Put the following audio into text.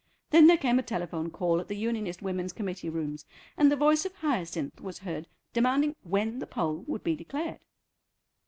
Then there came a telephone call at the Unionist Women's Committee rooms, and the voice of Hyacinth was heard demanding when the poll would be declared.